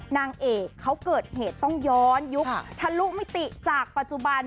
นางเอกเขาเกิดเหตุต้องย้อนยุคทะลุมิติจากปัจจุบัน